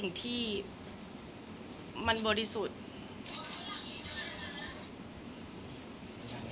แต่ขวัญไม่สามารถสวมเขาให้แม่ขวัญได้